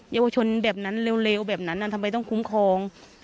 เยาวชนแบบนั้นเร็วแบบนั้นทำไมต้องคุ้มครอง